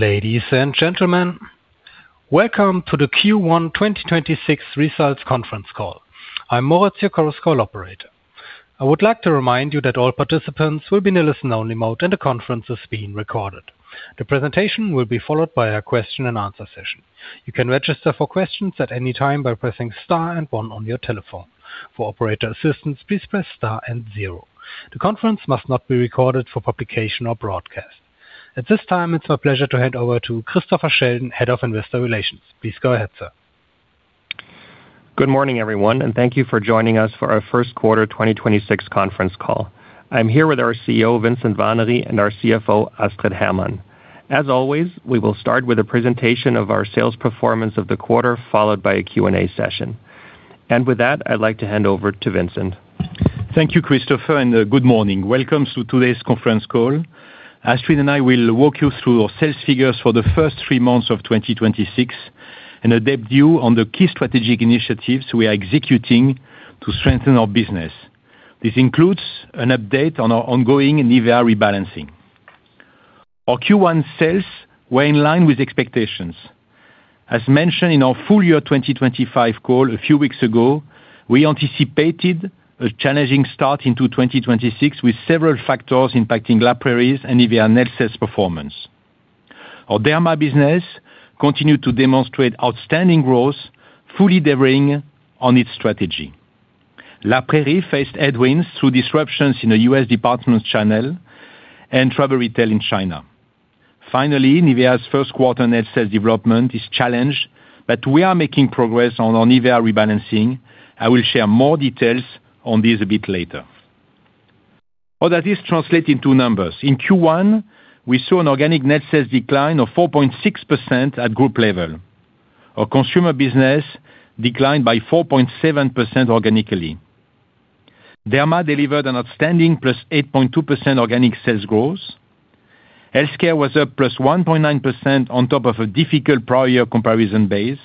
Ladies and gentlemen, welcome to the Q1 2026 results conference call. I'm Moritz, your conference call operator. I would like to remind you that all participants will be in a listen-only mode, and the conference is being recorded. The presentation will be followed by a question and answer session. You can register for questions at any time by pressing star and one on your telephone. For operator assistance, please press star and zero. The conference must not be recorded for publication or broadcast. At this time, it's my pleasure to hand over to Christopher Sheldon, Head of Investor Relations. Please go ahead, sir. Good morning, everyone, and thank you for joining us for our first quarter 2026 conference call. I'm here with our CEO, Vincent Warnery, and our CFO, Astrid Hermann. As always, we will start with a presentation of our sales performance of the quarter, followed by a Q&A session. With that, I'd like to hand over to Vincent. Thank you, Christopher, and good morning. Welcome to today's conference call. Astrid and I will walk you through our sales figures for the first three months of 2026 and an update on the key strategic initiatives we are executing to strengthen our business. This includes an update on our ongoing Nivea rebalancing. Our Q1 sales were in line with expectations. As mentioned in our full year 2025 call a few weeks ago, we anticipated a challenging start into 2026, with several factors impacting La Prairie’s and Nivea net sales performance. Our Derma business continued to demonstrate outstanding growth, fully delivering on its strategy. La Prairie faced headwinds through disruptions in the U.S. department channel and travel retail in China. Finally, Nivea’s first quarter net sales development is challenged, but we are making progress on our Nivea rebalancing. I will share more details on this a bit later. All that is translated into numbers. In Q1, we saw an organic net sales decline of 4.6% at group level. Our consumer business declined by 4.7% organically. Derma delivered an outstanding +8.2% organic sales growth. Healthcare was up +1.9% on top of a difficult prior comparison base.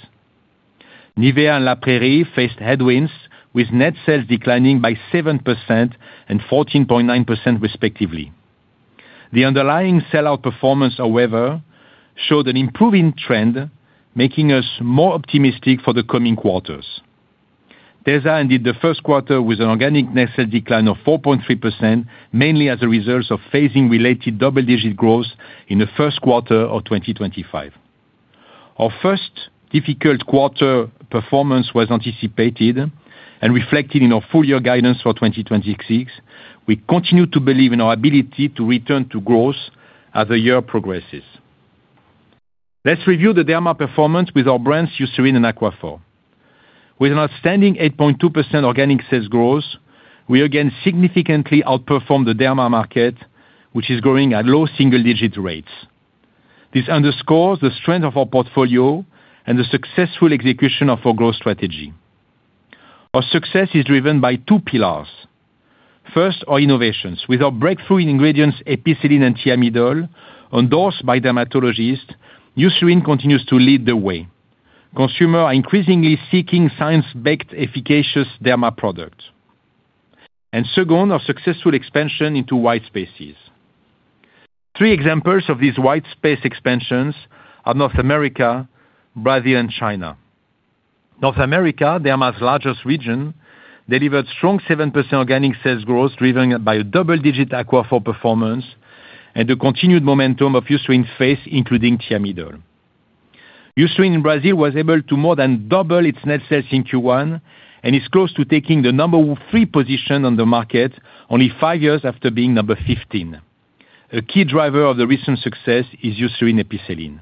Nivea and La Prairie faced headwinds, with net sales declining by 7% and 14.9%, respectively. The underlying sellout performance, however, showed an improving trend, making us more optimistic for the coming quarters. Tesa ended the first quarter with an organic net sales decline of 4.3%, mainly as a result of phasing related double-digit growth in the first quarter of 2025. Our first difficult quarter performance was anticipated and reflected in our full year guidance for 2026. We continue to believe in our ability to return to growth as the year progresses. Let's review the Derma performance with our brands, Eucerin and Aquaphor. With an outstanding 8.2% organic sales growth, we again significantly outperformed the Derma market, which is growing at low single digit rates. This underscores the strength of our portfolio and the successful execution of our growth strategy. Our success is driven by two pillars. First, our innovations. With our breakthrough in ingredients Epicelline and Thiamidol, endorsed by dermatologists, Eucerin continues to lead the way. Consumers are increasingly seeking science-backed, efficacious Derma products. Second, our successful expansion into white spaces. Three examples of these white space expansions are North America, Brazil, and China. North America, Derma's largest region, delivered strong 7% organic sales growth, driven by a double-digit Aquaphor performance and the continued momentum of Eucerin's face, including Thiamidol. Eucerin in Brazil was able to more than double its net sales in Q1 and is close to taking the number three position on the market only five years after being number 15. A key driver of the recent success is Eucerin Epicelline.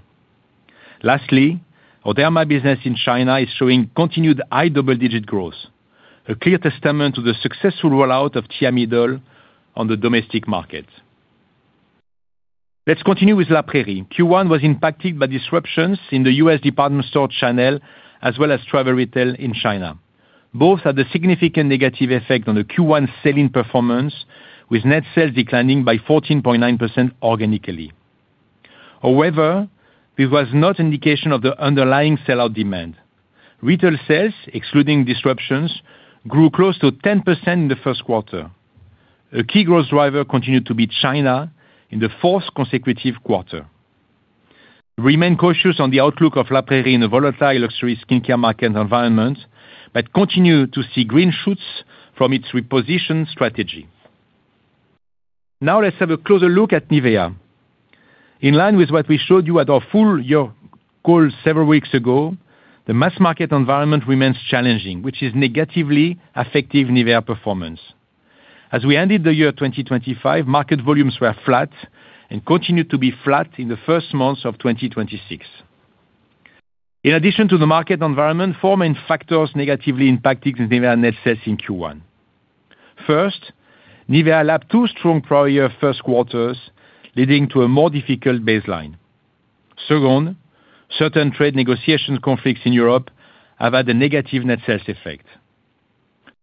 Lastly, our Derma business in China is showing continued high double-digit growth, a clear testament to the successful rollout of Thiamidol on the domestic market. Let's continue with La Prairie. Q1 was impacted by disruptions in the U.S. department store channel as well as travel retail in China. Both had a significant negative effect on the Q1 selling performance, with net sales declining by 14.9% organically. However, this was not an indication of the underlying sellout demand. Retail sales, excluding disruptions, grew close to 10% in the first quarter. A key growth driver continued to be China in the fourth consecutive quarter. Remain cautious on the outlook of La Prairie in a volatile luxury skincare market environment, but continue to see green shoots from its reposition strategy. Now let's have a closer look at Nivea. In line with what we showed you at our full year call several weeks ago, the mass market environment remains challenging, which is negatively affecting Nivea performance. As we ended the year 2025, market volumes were flat and continued to be flat in the first months of 2026. In addition to the market environment, four main factors negatively impacted Nivea net sales in Q1. First, Nivea last two strong prior first quarters, leading to a more difficult baseline. Second, certain trade negotiation conflicts in Europe have had a negative net sales effect.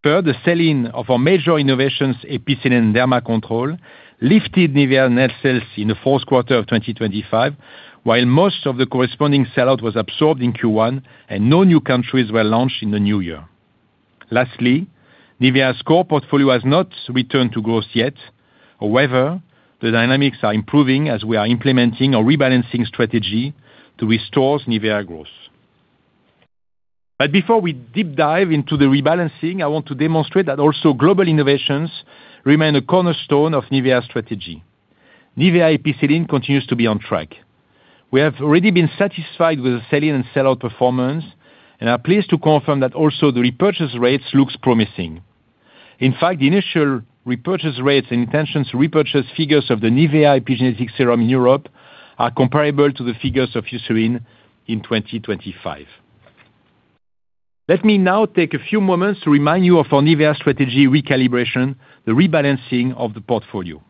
Third, the selling of our major innovations, Epicelline and Derma Control, lifted Nivea net sales in the fourth quarter of 2025, while most of the corresponding sellout was absorbed in Q1 and no new countries were launched in the new year. Lastly, Nivea's core portfolio has not returned to growth yet. However, the dynamics are improving as we are implementing a rebalancing strategy to restore Nivea growth. Before we deep dive into the rebalancing, I want to demonstrate that also global innovations remain a cornerstone of Nivea's strategy. Nivea Epicelline continues to be on track. We have already been satisfied with the sell-in and sell-out performance, and are pleased to confirm that also the repurchase rates looks promising. In fact, the initial repurchase rates and intentions to repurchase figures of the Nivea Epigenetic Serum in Europe are comparable to the figures of Eucerin in 2025. Let me now take a few moments to remind you of our Nivea strategy recalibration, the rebalancing of the portfolio.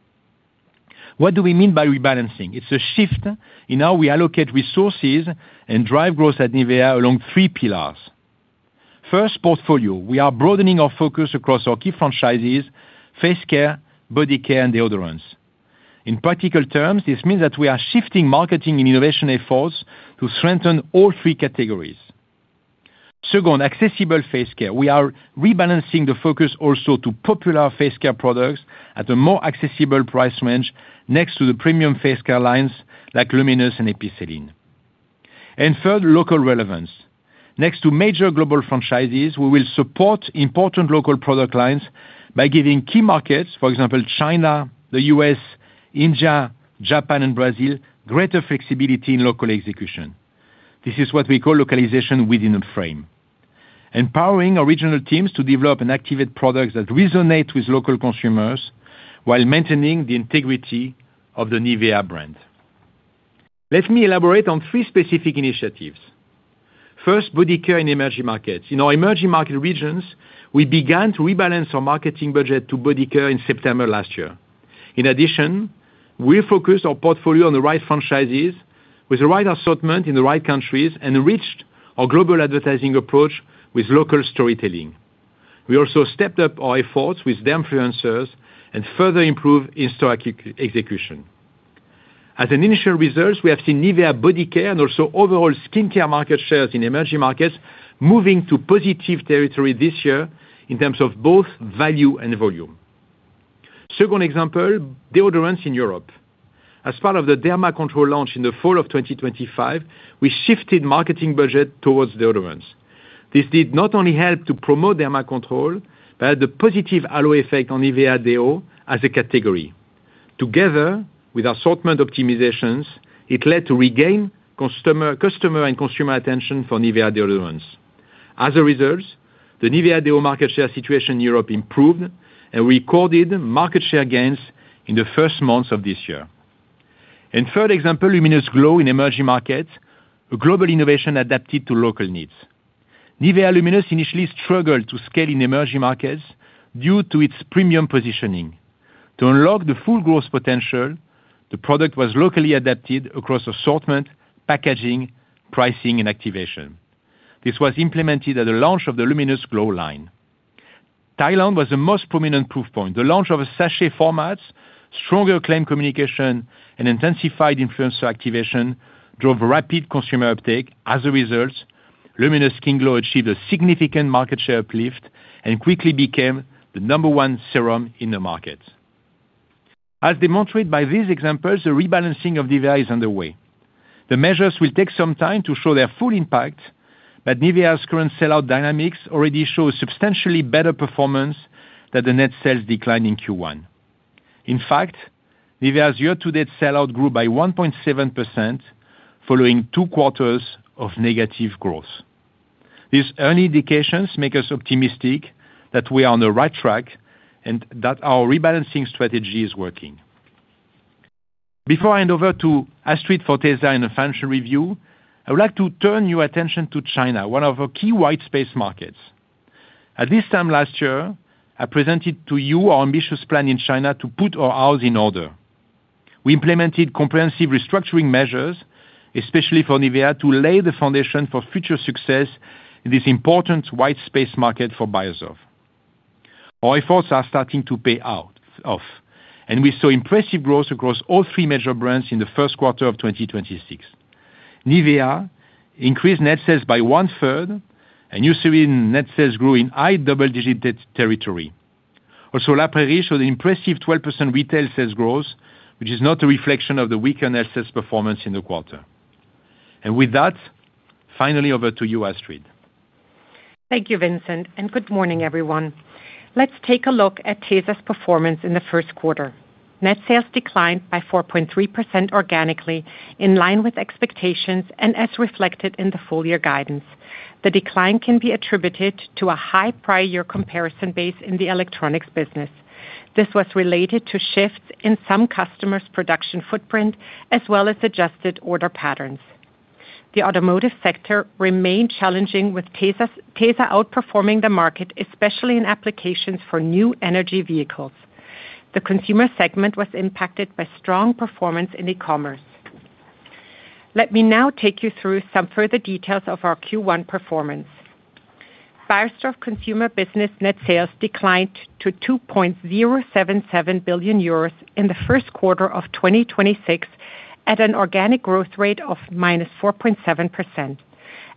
What do we mean by rebalancing? It's a shift in how we allocate resources and drive growth at Nivea along three pillars. First, portfolio. We are broadening our focus across our key franchises, face care, body care and deodorants. In practical terms, this means that we are shifting marketing and innovation efforts to strengthen all three categories. Second, accessible face care. We are rebalancing the focus also to popular face care products at a more accessible price range next to the premium face care lines like Luminous and Epicelline. Third, local relevance. Next to major global franchises, we will support important local product lines by giving key markets, for example, China, the U.S., India, Japan, and Brazil, greater flexibility in local execution. This is what we call localization within a frame. Empowering regional teams to develop and activate products that resonate with local consumers while maintaining the integrity of the Nivea brand. Let me elaborate on three specific initiatives. First, body care in emerging markets. In our emerging market regions, we began to rebalance our marketing budget to body care in September last year. In addition, we focused our portfolio on the right franchises with the right assortment in the right countries and enriched our global advertising approach with local storytelling. We also stepped up our efforts with the influencers and further improved in-store execution. As an initial results, we have seen Nivea body care and also overall skincare market shares in emerging markets moving to positive territory this year in terms of both value and volume. Second example, deodorants in Europe. As part of the Derma Control launch in the fall of 2025, we shifted marketing budget towards deodorants. This did not only help to promote Derma Control but had the positive halo effect on Nivea deo as a category. Together with assortment optimizations, it led to regain customer and consumer attention for Nivea deodorants. As a result, the Nivea deo market share situation in Europe improved, and we recorded market share gains in the first months of this year. Third example, Luminous Glow in emerging markets, a global innovation adapted to local needs. Nivea Luminous initially struggled to scale in emerging markets due to its premium positioning. To unlock the full growth potential, the product was locally adapted across assortment, packaging, pricing, and activation. This was implemented at the launch of the Luminous Glow line. Thailand was the most prominent proof point. The launch of a sachet formats, stronger claim communication, and intensified influencer activation drove rapid consumer uptake. As a result, Luminous Skin Glow achieved a significant market share uplift and quickly became the number one serum in the market. As demonstrated by these examples, the rebalancing of Nivea is underway. The measures will take some time to show their full impact, but Nivea's current sell-out dynamics already show substantially better performance than the net sales decline in Q1. In fact, Nivea's year-to-date sell-out grew by 1.7% following two quarters of negative growth. These early indications make us optimistic that we are on the right track and that our rebalancing strategy is working. Before I hand over to Astrid for tesa and the financial review, I would like to turn your attention to China, one of our key white space markets. At this time last year, I presented to you our ambitious plan in China to put our house in order. We implemented comprehensive restructuring measures, especially for Nivea, to lay the foundation for future success in this important white space market for Beiersdorf. Our efforts are starting to pay off, and we saw impressive growth across all three major brands in the first quarter of 2026. Nivea increased net sales by 1/3, and Eucerin net sales grew in high double-digit territory. Also, La Prairie showed an impressive 12% retail sales growth, which is not a reflection of the weaker net sales performance in the quarter. With that, finally over to you, Astrid. Thank you, Vincent, and good morning, everyone. Let's take a look at tesa's performance in the first quarter. Net sales declined by 4.3% organically in line with expectations, and as reflected in the full year guidance. The decline can be attributed to a high prior year comparison base in the electronics business. This was related to shifts in some customers' production footprint as well as adjusted order patterns. The automotive sector remained challenging with tesa outperforming the market, especially in applications for new energy vehicles. The consumer segment was impacted by strong performance in e-commerce. Let me now take you through some further details of our Q1 performance. Beiersdorf consumer business net sales declined to 2.077 billion euros in the first quarter of 2024. At an organic growth rate of -4.7%.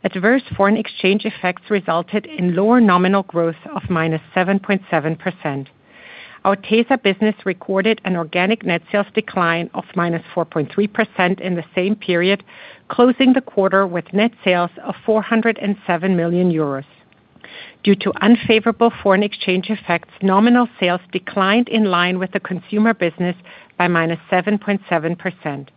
Adverse foreign exchange effects resulted in lower nominal growth of -7.7%. Our tesa business recorded an organic net sales decline of -4.3% in the same period, closing the quarter with net sales of 407 million euros. Due to unfavorable foreign exchange effects, nominal sales declined in line with the consumer business by -7.7%.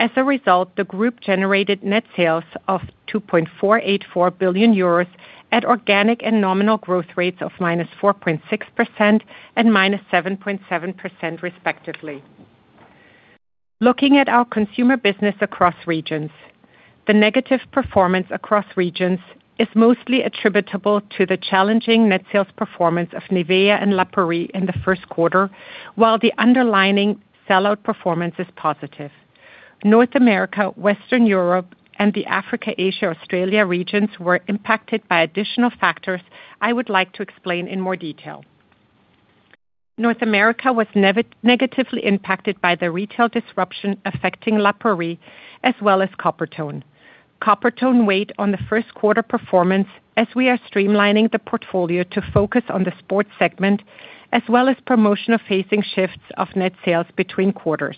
As a result, the group generated net sales of 2.484 billion euros at organic and nominal growth rates of -4.6% and -7.7%, respectively. Looking at our consumer business across regions, the negative performance across regions is mostly attributable to the challenging net sales performance of Nivea and La Prairie in the first quarter, while the underlying sellout performance is positive. North America, Western Europe, and the Africa, Asia, Australia regions were impacted by additional factors I would like to explain in more detail. North America was negatively impacted by the retail disruption affecting La Prairie as well as Coppertone. Coppertone weighed on the first quarter performance as we are streamlining the portfolio to focus on the sports segment, as well as promotional facing shifts of net sales between quarters.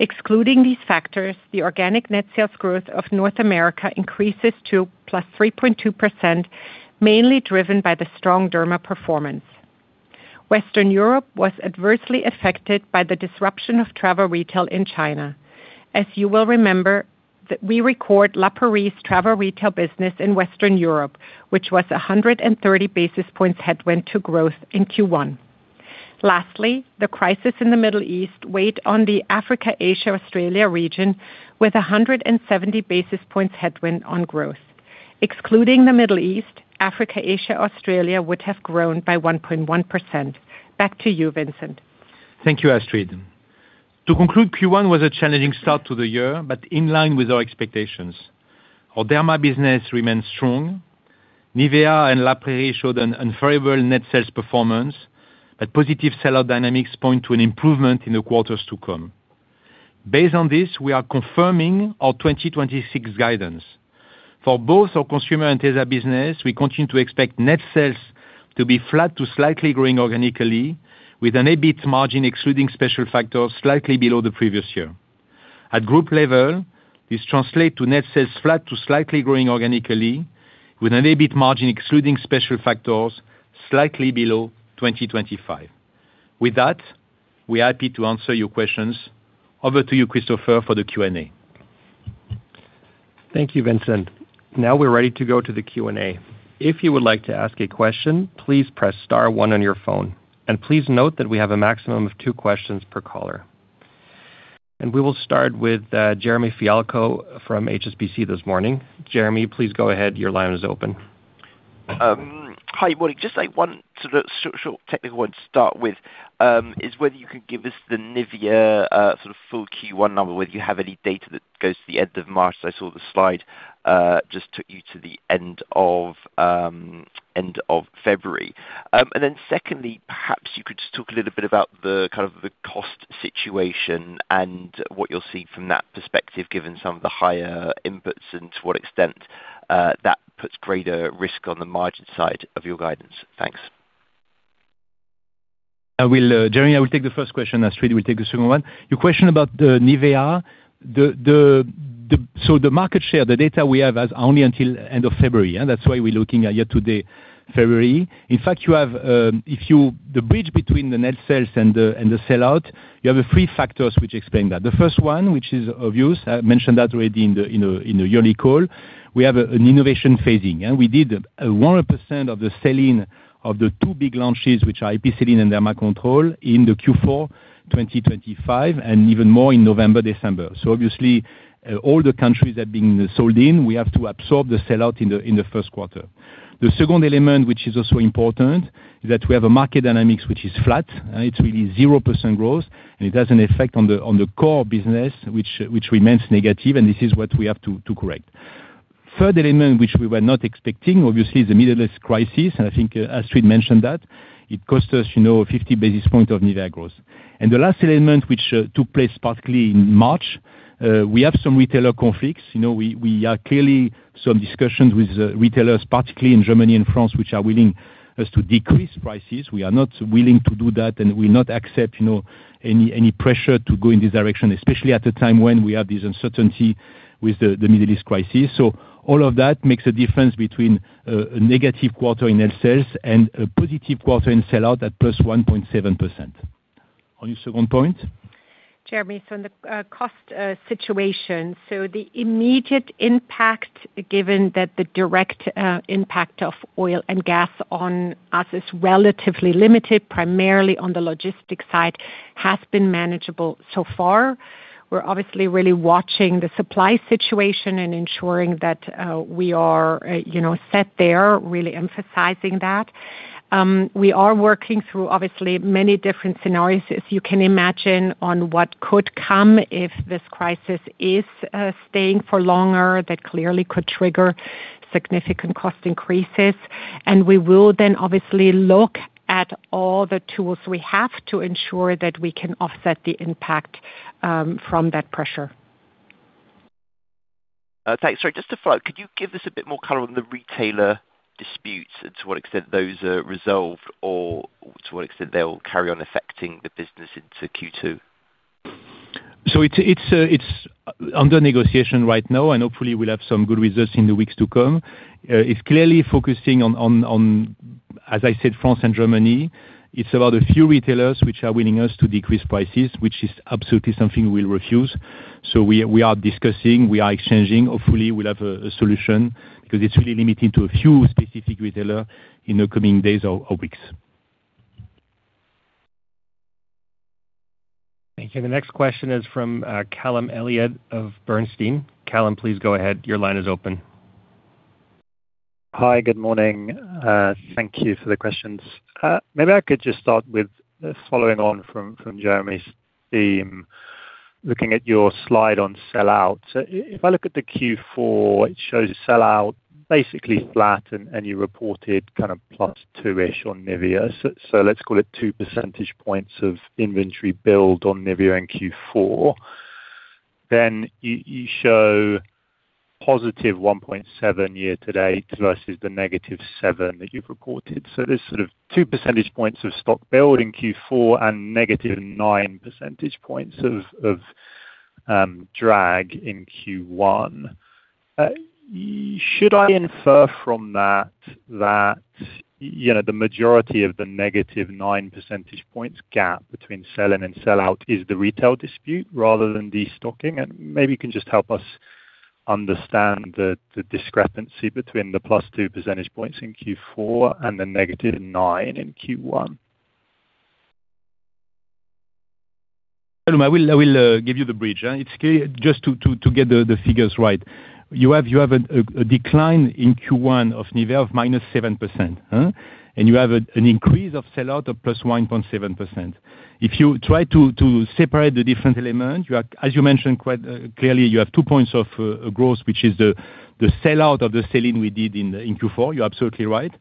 Excluding these factors, the organic net sales growth of North America increases to +3.2%, mainly driven by the strong Derma performance. Western Europe was adversely affected by the disruption of travel retail in China. As you will remember, we record La Prairie's travel retail business in Western Europe, which was 130 basis points headwind to growth in Q1. Lastly, the crisis in the Middle East weighed on the Africa, Asia, Australia region with 170 basis points headwind on growth. Excluding the Middle East, Africa, Asia, Australia would have grown by 1.1%. Back to you, Vincent. Thank you, Astrid. To conclude, Q1 was a challenging start to the year, but in line with our expectations. Our Derma business remains strong. Nivea and La Prairie showed an unfavorable net sales performance, but positive sellout dynamics point to an improvement in the quarters to come. Based on this, we are confirming our 2026 guidance. For both our consumer and tesa business, we continue to expect net sales to be flat to slightly growing organically, with an EBIT margin excluding special factors slightly below the previous year. At group level, this translate to net sales flat to slightly growing organically, with an EBIT margin excluding special factors slightly below 2025. With that, we're happy to answer your questions. Over to you, Christopher, for the Q&A. Thank you, Vincent. Now we're ready to go to the Q&A. If you would like to ask a question, please press star one on your phone. Please note that we have a maximum of two questions per caller. We will start with Jeremy Fialko from HSBC this morning. Jeremy, please go ahead. Your line is open. Hi. Morning. Just one sort of short technical one to start with, is whether you could give us the Nivea sort of full Q1 number, whether you have any data that goes to the end of March, as I saw the slide, just took you to the end of February? Secondly, perhaps you could just talk a little bit about the cost situation and what you're seeing from that perspective, given some of the higher inputs, and to what extent that puts greater risk on the margin side of your guidance? Thanks. Jeremy, I will take the first question. Astrid will take the second one. Your question about the Nivea, so the market share, the data we have is only until end of February, and that's why we're looking at year-to-date February. In fact, the bridge between the net sales and the sellout, you have three factors which explain that. The first one, which is obvious, I mentioned that already in the yearly call. We have an innovation phasing, and we did 100% of the selling of the two big launches, which are Epicelline and Derma Control, in the Q4 2025, and even more in November, December. Obviously, all the countries that are being sold in, we have to absorb the sellout in the first quarter. The second element, which is also important, is that we have a market dynamics which is flat. It's really 0% growth, and it has an effect on the core business, which remains negative, and this is what we have to correct. Third element which we were not expecting, obviously, is the Middle East crisis, and I think Astrid mentioned that. It cost us 50 basis points of Nivea growth. The last element, which took place particularly in March, we have some retailer conflicts. We are clearly in some discussions with retailers, particularly in Germany and France, which are willing to decrease prices. We are not willing to do that, and we do not accept any pressure to go in this direction, especially at the time when we have this uncertainty with the Middle East crisis. All of that makes a difference between a negative quarter in net sales and a positive quarter in sellout at +1.7%. On your second point? Jeremy, on the cost situation. The immediate impact, given that the direct impact of oil and gas on us is relatively limited, primarily on the logistics side, has been manageable so far. We're obviously really watching the supply situation and ensuring that we are set there, really emphasizing that. We are working through obviously many different scenarios, as you can imagine, on what could come if this crisis is staying for longer. That clearly could trigger significant cost increases, and we will then obviously look at all the tools we have to ensure that we can offset the impact from that pressure. Thanks. Sorry, just to follow up, could you give us a bit more color on the retailer disputes and to what extent those are resolved, or to what extent they'll carry on affecting the business into Q2? It's under negotiation right now, and hopefully we'll have some good results in the weeks to come. It's clearly focusing on, as I said, France and Germany. It's about a few retailers which are wanting us to decrease prices, which is absolutely something we'll refuse. We are discussing, we are exchanging. Hopefully we'll have a solution, because it's really limiting to a few specific retailers in the coming days or weeks. Thank you. The next question is from Callum Elliott of Bernstein. Callum, please go ahead. Your line is open. Hi. Good morning. Thank you for the questions. Maybe I could just start with following on from Jeremy's theme, looking at your slide on sell-out. If I look at the Q4, it shows sell-out basically flat, and you reported +2%-ish on Nivea. Let's call it two percentage points of inventory build on Nivea in Q4. Then you show +1.7% year-to-date versus the -7% that you've reported. There's sort of two percentage points of stock build in Q4 and -9 percentage points of drag in Q1. Should I infer from that that the majority of the -9 percentage points gap between sell-in and sell-out is the retail dispute rather than de-stocking? Maybe you can just help us understand the discrepancy between the +2 percentage points in Q4 and the -9 in Q1. I will give you the bridge. Just to get the figures right. You have a decline in Q1 of Nivea of -7%, and you have an increase of sell-out of +1.7%. If you try to separate the different elements, as you mentioned, quite clearly you have two points of growth, which is the sell-out of the sell-in we did in Q4. You're absolutely right.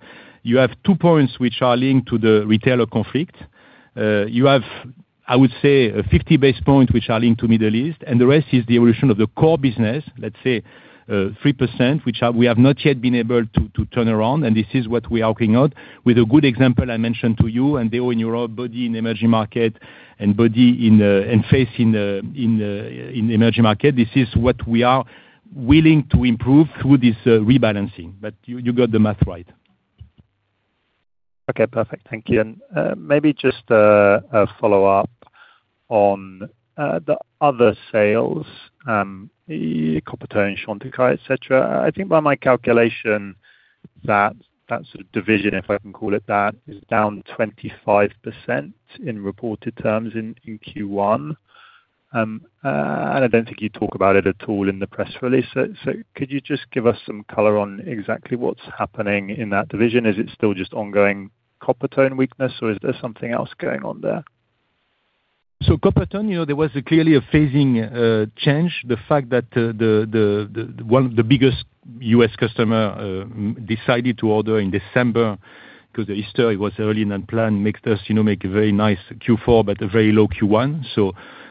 You have two points which are linked to the retailer conflict. You have, I would say, 50 basis points which are linked to Middle East, and the rest is the evolution of the core business. Let's say 3%, which we have not yet been able to turn around, and this is what we are working on with a good example I mentioned to you and they own Europe, Body in emerging market and Body and Face in emerging market. This is what we are willing to improve through this rebalancing. You got the math right. Okay, perfect. Thank you. Maybe just a follow-up on the other sales, Coppertone, Chantecaille, et cetera. I think by my calculation that sort of division, if I can call it that, is down 25% in reported terms in Q1. I don't think you talk about it at all in the press release. Could you just give us some color on exactly what's happening in that division? Is it still just ongoing Coppertone weakness, or is there something else going on there? Coppertone, there was clearly a phasing change. The fact that one of the biggest U.S. customer decided to order in December because the history was early and unplanned, makes us make a very nice Q4, but a very low Q1.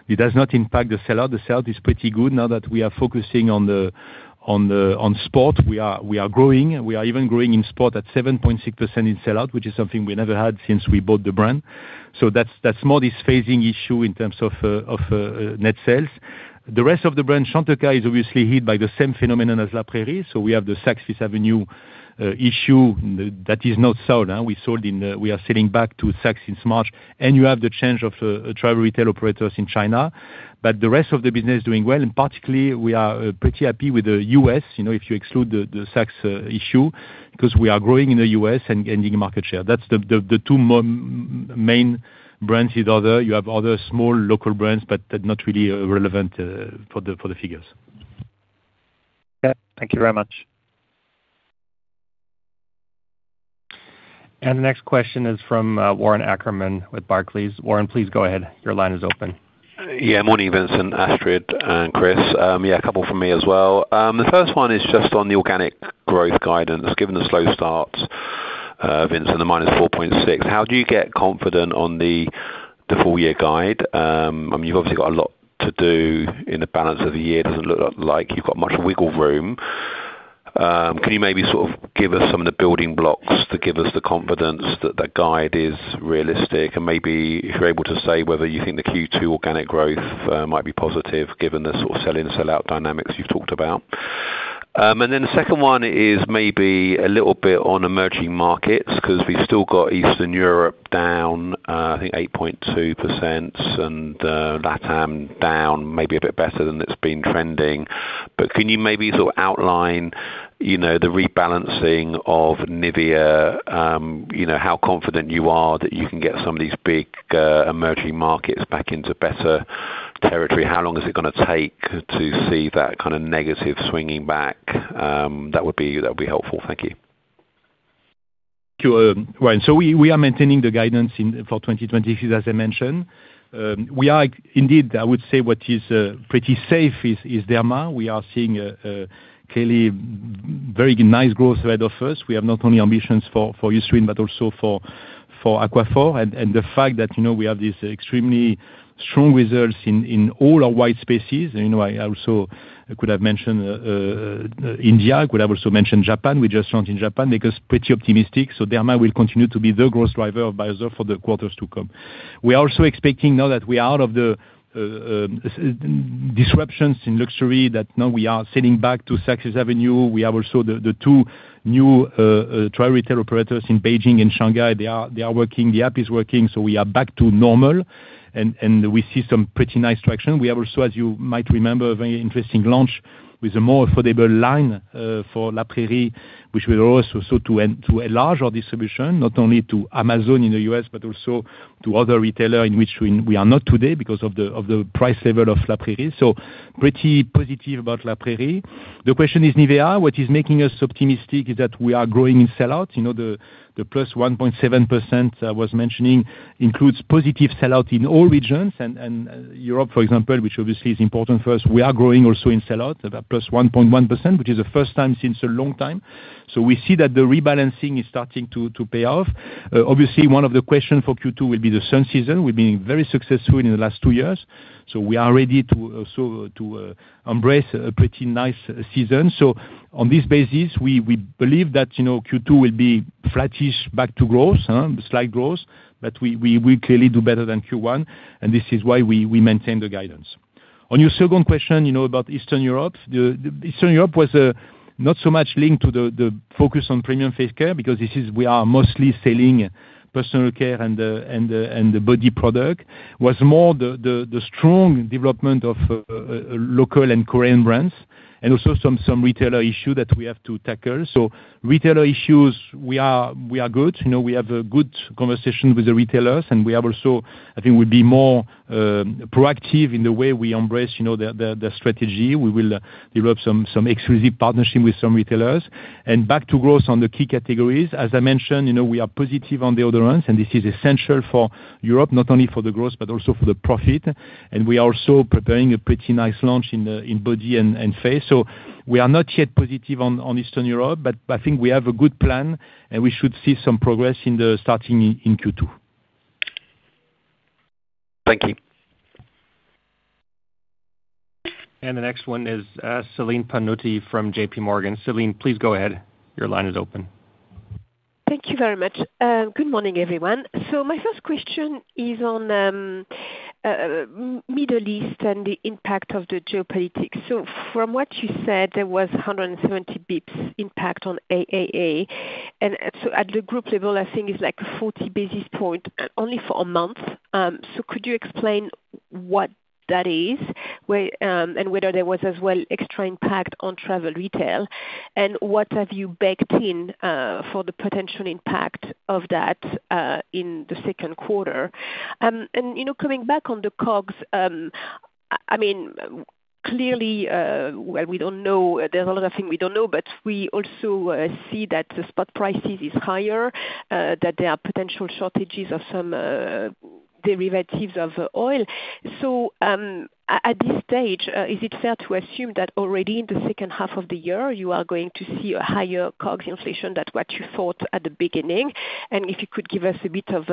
It does not impact the sell-out. The sell-out is pretty good now that we are focusing on sport. We are growing. We are even growing in sport at 7.6% in sell-out, which is something we never had since we bought the brand. That's more this phasing issue in terms of net sales. The rest of the brand, Chantecaille, is obviously hit by the same phenomenon as La Prairie. We have the Saks Fifth Avenue issue that is not sold. We are selling back to Saks in March, and you have the change of travel retail operators in China. The rest of the business is doing well, and particularly we are pretty happy with the U.S., if you exclude the Saks issue, because we are growing in the U.S. and gaining market share. That's the two main brands in order. You have other small local brands, but not really relevant for the figures. Okay. Thank you very much. The next question is from Warren Ackerman with Barclays. Warren, please go ahead. Your line is open. Morning, Vincent, Astrid, and Christopher. A couple from me as well. The first one is just on the organic growth guidance. Given the slow start, Vincent, the -4.6%, how do you get confident on the full year guide? You've obviously got a lot to do in the balance of the year. Doesn't look like you've got much wiggle room. Can you maybe sort of give us some of the building blocks to give us the confidence that the guide is realistic? Maybe if you're able to say whether you think the Q2 organic growth might be positive given the sort of sell-in, sell-out dynamics you've talked about. The second one is maybe a little bit on emerging markets, because we've still got Eastern Europe down -8.2% and LATAM down maybe a bit better than it's been trending. Can you maybe sort of outline the rebalancing of Nivea? How confident you are that you can get some of these big emerging markets back into better territory? How long is it going to take to see that kind of negative swinging back? That would be helpful. Thank you. Right. We are maintaining the guidance for 2026, as I mentioned. Indeed, I would say what is pretty safe is Derma. We are seeing clearly very nice growth rate of first. We have not only ambitions for Eucerin, but also for Aquaphor, and the fact that we have these extremely strong results in all our white spaces. I also could have mentioned India. I could have also mentioned Japan. We just launched in Japan because we are pretty optimistic. Derma will continue to be the growth driver of Beiersdorf for the quarters to come. We are also expecting now that we are out of the disruptions in Luxury, that now we are selling back to Saks Fifth Avenue. We have also the two new trial retail operators in Beijing and Shanghai. They are working, the app is working, so we are back to normal, and we see some pretty nice traction. We have also, as you might remember, a very interesting launch with a more affordable line for La Prairie, which will also suit to enlarge our distribution, not only to Amazon in the U.S. but also to other retailers in which we are not today because of the price level of La Prairie. Pretty positive about La Prairie. The question is Nivea. What is making us optimistic is that we are growing in sellout. The +1.7% I was mentioning includes positive sellout in all regions and Europe, for example, which obviously is important for us. We are growing also in sellout, about +1.1%, which is the first time in a long time. We see that the rebalancing is starting to pay off. Obviously, one of the questions for Q2 will be the sun season. We've been very successful in the last two years, so we are ready to embrace a pretty nice season. On this basis, we believe that Q2 will be flattish back to growth, slight growth, but we clearly do better than Q1, and this is why we maintain the guidance. On your second question about Eastern Europe. Eastern Europe was not so much linked to the focus on premium face care because we are mostly selling personal care and the body product. It was more the strong development of local and Korean brands and also some retailer issues that we have to tackle. Retailer issues, we are good. We have a good conversation with the retailers and we have also, I think we'll be more proactive in the way we embrace the strategy. We will develop some exclusive partnership with some retailers. Back to growth on the key categories, as I mentioned, we are positive on the other ones, and this is essential for Europe, not only for the growth but also for the profit. We are also preparing a pretty nice launch in Body and Face. We are not yet positive on Eastern Europe, but I think we have a good plan, and we should see some progress starting in Q2. Thank you. The next one is Celine Pannuti from JPMorgan. Celine, please go ahead. Your line is open. Thank you very much. Good morning, everyone. My first question is on Middle East and the impact of the geopolitics. From what you said, there was 170 basis points impact on AAA. At the group level, I think it's like 40 basis points only for a month. Could you explain what that is, and whether there was as well extra impact on travel retail, and what have you baked in for the potential impact of that in the second quarter? Coming back on the COGS, clearly there's a lot of things we don't know, but we also see that the spot prices is higher, that there are potential shortages of some derivatives of oil. At this stage, is it fair to assume that already in the second half of the year, you are going to see a higher COGS inflation than what you thought at the beginning? If you could give us a bit of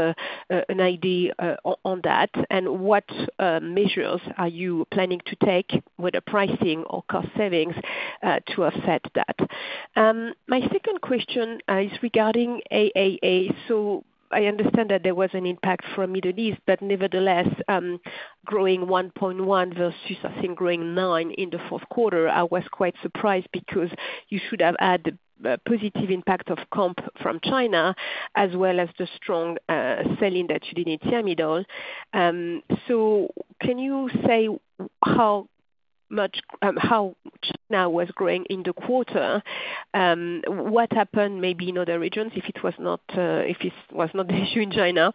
an idea on that, and what measures are you planning to take with the pricing or cost savings to offset that? My second question is regarding AAA. I understand that there was an impact from Middle East, but nevertheless, growing 1.1% versus, I think, growing 9% in the fourth quarter, I was quite surprised because you should have had the positive impact of comp from China as well as the strong selling that you did in Asia Middle. Can you say how much China was growing in the quarter? What happened maybe in other regions if it was not the issue in China?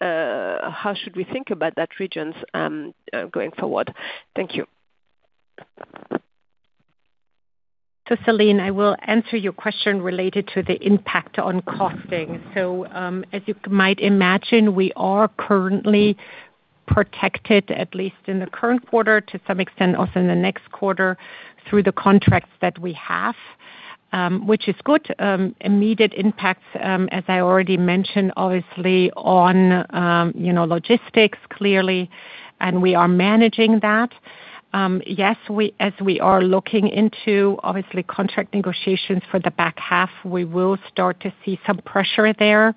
How should we think about that regions, going forward? Thank you. Celine, I will answer your question related to the impact on costing. As you might imagine, we are currently protected at least in the current quarter to some extent, also in the next quarter through the contracts that we have, which is good. Immediate impacts as I already mentioned, obviously on logistics clearly, and we are managing that. Yes, as we are looking into, obviously, contract negotiations for the back half, we will start to see some pressure there.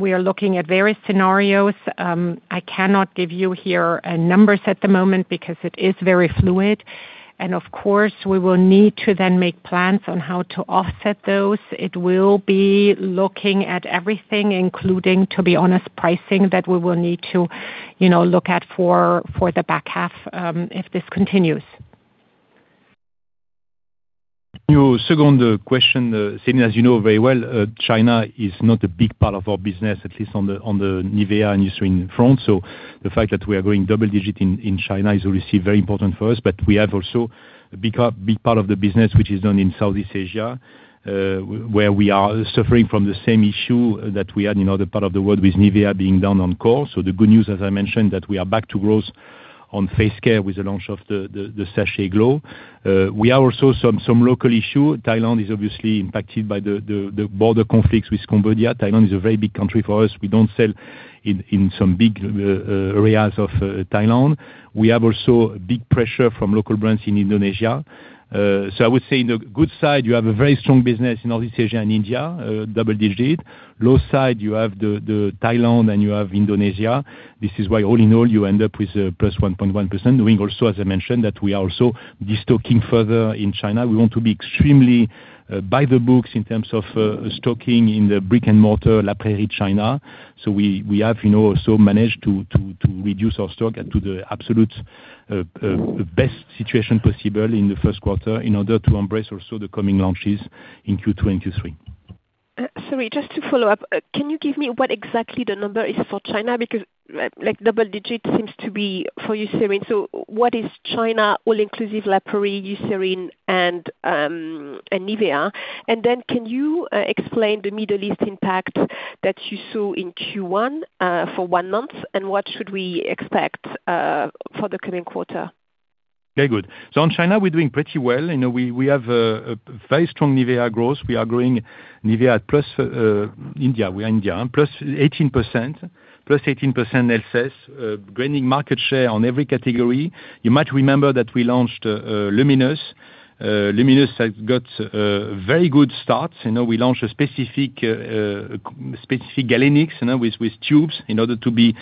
We are looking at various scenarios. I cannot give you here numbers at the moment because it is very fluid. Of course, we will need to then make plans on how to offset those. It will be looking at everything, including, to be honest, pricing that we will need to look at for the back half, if this continues. Your second question, Celine, as you know very well, China is not a big part of our business, at least on the Nivea and Eucerin front. The fact that we are growing double digit in China is obviously very important for us. We have also a big part of the business which is done in Southeast Asia, where we are suffering from the same issue that we had in other part of the world with Nivea being down on core. The good news, as I mentioned, that we are back to growth on face care with the launch of the Sachet Glow. We have also some local issue. Thailand is obviously impacted by the border conflicts with Cambodia. Thailand is a very big country for us. We don't sell in some big areas of Thailand. We have also a big pressure from local brands in Indonesia. I would say in the good side, you have a very strong business in Southeast Asia and India, double-digit. Low side, you have Thailand and you have Indonesia. This is why all in all, you end up with a +1.1%, doing also, as I mentioned, that we are also destocking further in China. We want to be extremely by the book in terms of stocking in the brick-and-mortar La Prairie China. We have also managed to reduce our stock to the absolute best situation possible in the first quarter in order to embrace also the coming launches in Q2 and Q3. Sorry, just to follow up. Can you give me what exactly the number is for China? Because double digit seems to be for Eucerin. What is China all inclusive, La Prairie, Eucerin and Nivea? Then can you explain the Middle East impact that you saw in Q1 for one month, and what should we expect for the coming quarter? Very good. In China, we're doing pretty well. We have a very strong Nivea growth. We are growing Nivea plus India. We are India, +18%, LFS, gaining market share on every category. You might remember that we launched Luminous. Luminous has got a very good start. We launched a specific galenix with tubes in order to be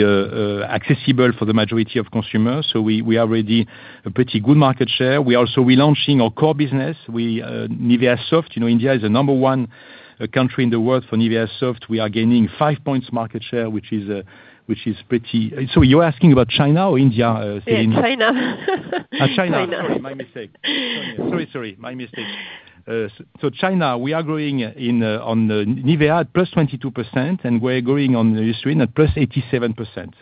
accessible for the majority of consumers. We are already a pretty good market share. We're also relaunching our core business. Nivea Soft, India is the number one country in the world for Nivea Soft. We are gaining five points market share, which is pretty. You're asking about China or India, Celine? China. China, we are growing on Nivea at +22%, and we're growing on Eucerin at +87%.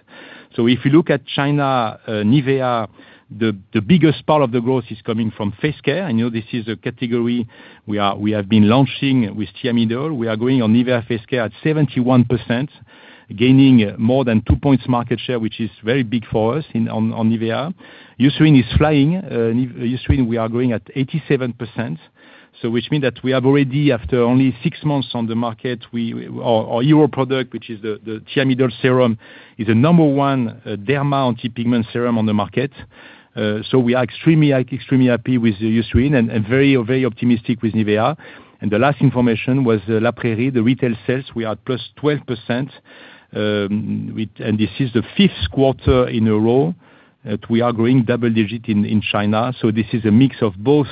If you look at China, Nivea, the biggest part of the growth is coming from face care. This is a category we have been launching with Thiamidol. We are growing on Nivea face care at 71%, gaining more than two points market share, which is very big for us on Nivea. Eucerin is flying. Eucerin, we are growing at 87%, which means that we have already, after only six months on the market, our Eucerin product, which is the Thiamidol serum, is the number one derma anti-pigmentation serum on the market. We are extremely happy with Eucerin and very optimistic with Nivea. The last information was La Prairie, the retail sales, we are at +12%, and this is the fifth quarter in a row that we are growing double digit in China. This is a mix of both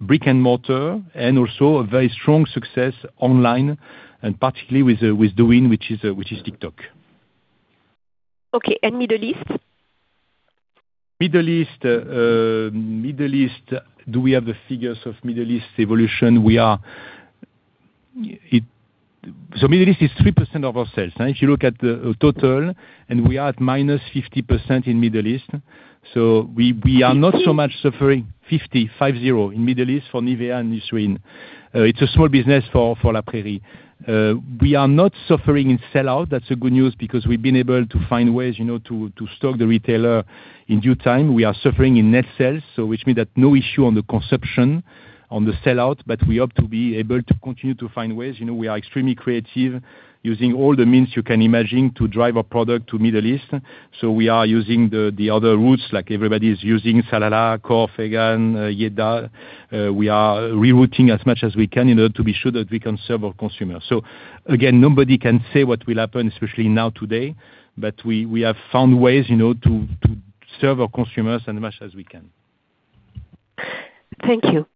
brick and mortar and also a very strong success online and particularly with Douyin, which is TikTok. Okay, Middle East? Middle East. Do we have the figures of Middle East evolution? Middle East is 3% of our sales. Now, if you look at the total, we are at -50% in Middle East. We are not so much suffering. 50 in Middle East for Nivea and Eucerin. It's a small business for La Prairie. We are not suffering in sell-out. That's the good news, because we've been able to find ways to stock the retailer in due time. We are suffering in net sales, so which means that no issue on the consumption, on the sell-out, but we hope to be able to continue to find ways. We are extremely creative, using all the means you can imagine to drive our product to Middle East. We are using the other routes, like everybody is using Salalah, Khor Fakkan, Jeddah. We are rerouting as much as we can in order to be sure that we can serve our consumers. Again, nobody can say what will happen, especially now today. We have found ways to serve our consumers in as much as we can. Thank you.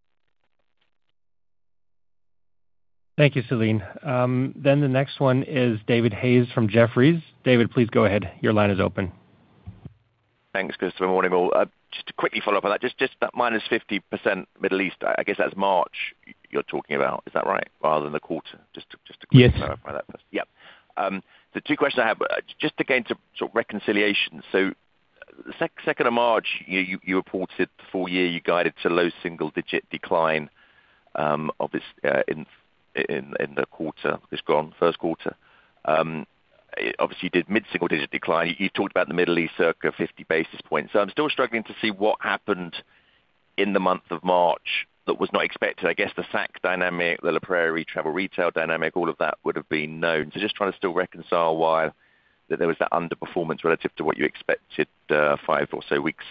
Thank you, Celine. The next one is David Hayes from Jefferies. David, please go ahead. Your line is open. Thanks, Christopher. Morning, all. Just to quickly follow up on that, just that -50% Middle East, I guess that's March you're talking about. Is that right? Rather than the quarter. Just to- Yes. Clarify that first. Yep. The two questions I have, just again, to sort of reconciliation. The 2nd of March, you reported full year, you guided to low single digit decline in the quarter, this current first quarter. Obviously, you did mid-single digit decline. You talked about the Middle East circa 50 basis points. I'm still struggling to see what happened in the month of March that was not expected. I guess the S.A.C dynamic, the La Prairie travel retail dynamic, all of that would have been known. Just trying to still reconcile why there was that underperformance relative to what you expected five or so weeks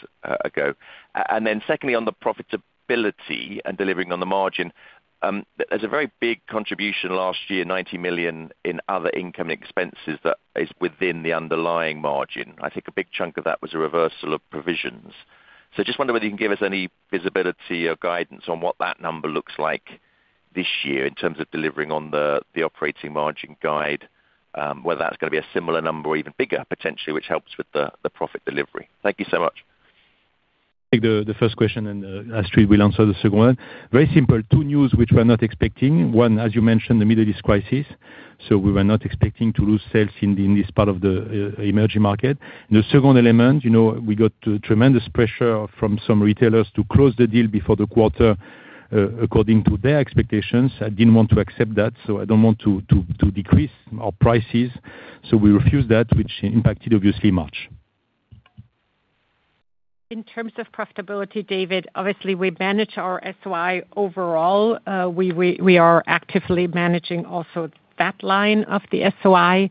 ago. Then secondly, on the profitability and delivering on the margin. There's a very big contribution last year, 90 million in other income expenses, that is within the underlying margin. I think a big chunk of that was a reversal of provisions. I just wonder whether you can give us any visibility or guidance on what that number looks like. This year in terms of delivering on the operating margin guide, whether that's going to be a similar number or even bigger, potentially, which helps with the profit delivery. Thank you so much. Take the first question and Astrid will answer the second one. Very simple, two news which we're not expecting. One, as you mentioned, the Middle East crisis. We were not expecting to lose sales in this part of the emerging market. The second element, we got tremendous pressure from some retailers to close the deal before the quarter, according to their expectations. I didn't want to accept that, so I don't want to decrease our prices. We refused that, which impacted, obviously, March. In terms of profitability, David, obviously we manage our SOI overall. We are actively managing also that line of the SOI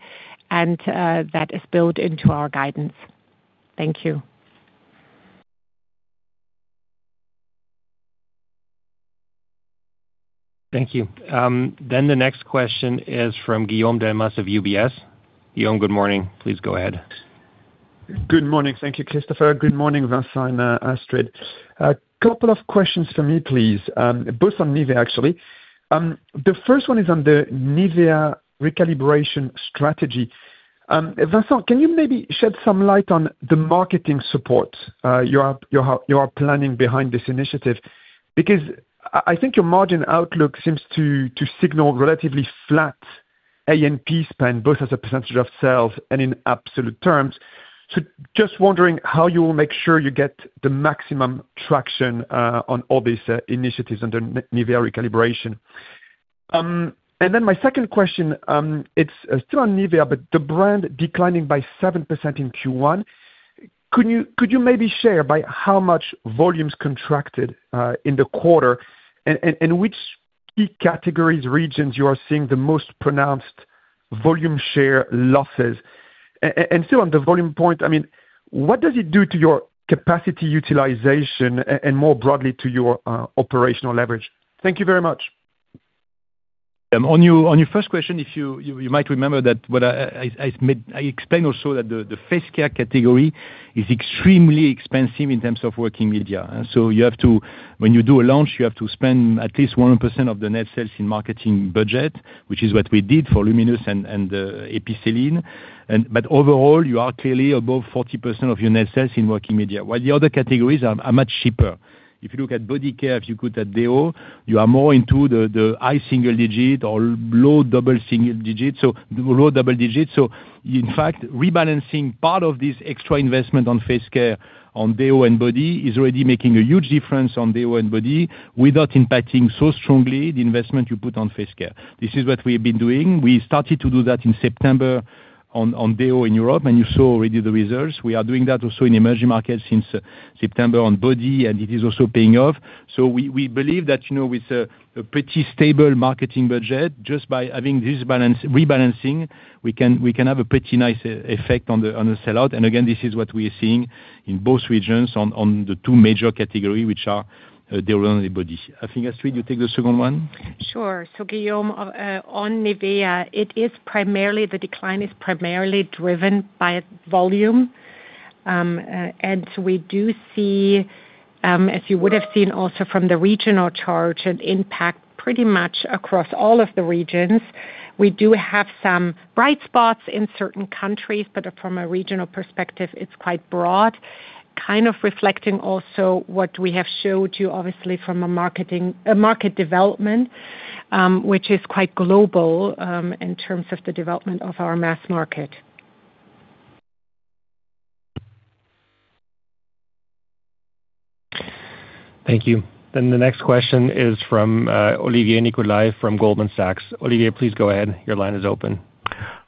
and that is built into our guidance. Thank you. Thank you. The next question is from Guillaume Delmas of UBS. Guillaume, good morning. Please go ahead. Good morning. Thank you, Christopher. Good morning, Vincent, Astrid. A couple of questions for me, please. Both on Nivea, actually. The first one is on the Nivea recalibration strategy. Vincent, can you maybe shed some light on the marketing support you are planning behind this initiative? Because I think your margin outlook seems to signal relatively flat A&P spend both as a percentage of sales and in absolute terms. Just wondering how you will make sure you get the maximum traction on all these initiatives under Nivea recalibration. My second question, it's still on Nivea, but the brand declining by 7% in Q1. Could you maybe share by how much volumes contracted in the quarter and in which key categories, regions you are seeing the most pronounced volume share losses? Still on the volume point, what does it do to your capacity utilization and more broadly to your operational leverage? Thank you very much. On your first question, you might remember that I explained also that the face care category is extremely expensive in terms of working media. When you do a launch, you have to spend at least 1% of the net sales in marketing budget, which is what we did for Luminous and Epicelline. Overall, you are clearly above 40% of your net sales in working media, while the other categories are much cheaper. If you look at body care, if you look at deo, you are more into the high single digit or low double digits. In fact, rebalancing part of this extra investment on face care, on deo and body is already making a huge difference on deo and body without impacting so strongly the investment you put on face care. This is what we've been doing. We started to do that in September on deo in Europe, and you saw already the results. We are doing that also in emerging markets since September on body, and it is also paying off. We believe that with a pretty stable marketing budget, just by having this rebalancing, we can have a pretty nice effect on the sellout. Again, this is what we are seeing in both regions on the two major category, which are deo and the body. I think, Astrid, you take the second one? Sure, Guillaume, on Nivea, the decline is primarily driven by volume. We do see, as you would've seen also from the regional chart, an impact pretty much across all of the regions. We do have some bright spots in certain countries, but from a regional perspective, it's quite broad, kind of reflecting also what we have showed you, obviously from a market development, which is quite global, in terms of the development of our mass market. Thank you. The next question is from Olivier Nicolai from Goldman Sachs. Olivier, please go ahead. Your line is open.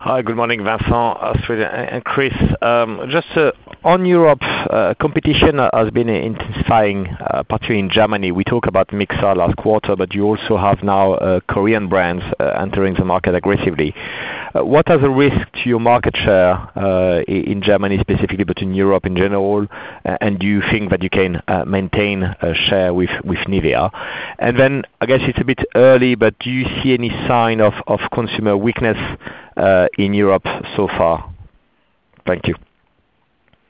Hi, good morning, Vincent, Astrid, and Christopher. Just on Europe, competition has been intensifying, particularly in Germany. We talk about Mixa last quarter, but you also have now Korean brands entering the market aggressively. What are the risks to your market share, in Germany specifically, but in Europe in general, and do you think that you can maintain a share with Nivea? I guess it's a bit early, but do you see any sign of consumer weakness in Europe so far? Thank you.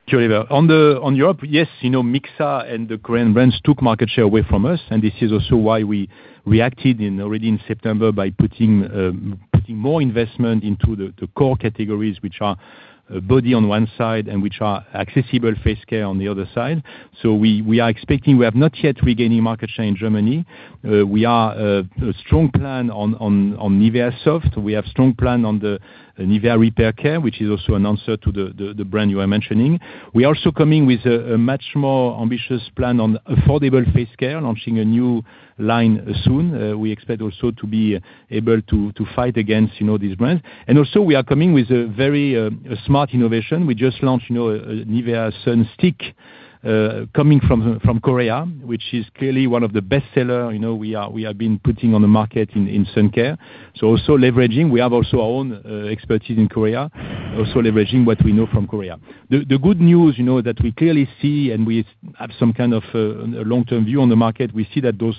Sure. On Europe, yes, Mixa and the Korean brands took market share away from us, and this is also why we reacted already in September by putting more investment into the core categories, which are body on one side, and which are accessible face care on the other side. We are expecting, we have not yet regained any market share in Germany. We have a strong plan on Nivea Soft. We have a strong plan on the Nivea Repair & Care, which is also an answer to the brand you are mentioning. We are also coming with a much more ambitious plan on affordable face care, launching a new line soon. We expect also to be able to fight against these brands. We are coming with a very smart innovation. We just launched Nivea Sun Stick, coming from Korea, which is clearly one of the bestseller we have been putting on the market in sun care, also leveraging. We have also our own expertise in Korea, also leveraging what we know from Korea. The good news that we clearly see, and we have some kind of a long-term view on the market, we see that those